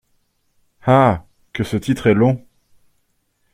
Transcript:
Ah ! que ce titre est long !